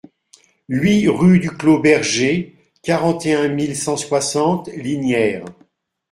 huit rue du Clos Berger, quarante et un mille cent soixante Lignières